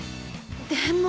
でも。